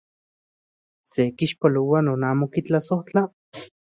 ¿Se kixpoloa non amo kitlasojtla?